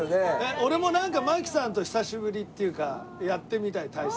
俺もなんか槙さんと久しぶりっていうかやってみたい対戦。